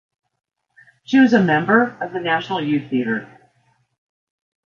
She was a member of the National Youth Theatre.